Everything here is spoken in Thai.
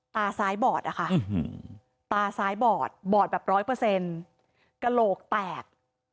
ตาซ้ายบอดนะคะตาซ้ายบอดบอดแบบร้อยเปอร์เซ็นต์กระโหลกแตก